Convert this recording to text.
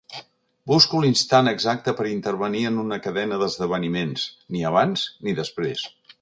Busco l'instant exacte per intervenir en una cadena d'esdeveniments, ni abans ni després.